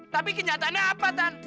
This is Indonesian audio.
tapi kenyataannya apa tante